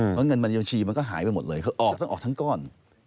เพราะเงินบรรยาชีมันก็หายไปหมดเลยเขาต้องออกทั้งก้อน